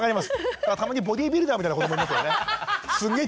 だからたまにボディービルダーみたいな子どもいますよね。